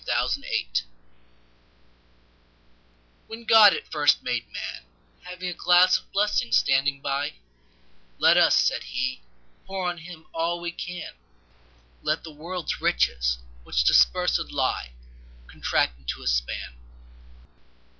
The Pulley WHEN God at first made Man, Having a glass of blessings standing by—Let us (said He) pour on him all we can; Let the world's riches, which dispersèd lie, Contract into a span.